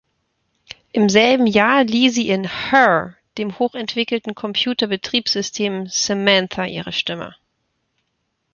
Im selben Jahr lieh sie in "Her" dem hochentwickelten Computer-Betriebssystem Samantha ihre Stimme.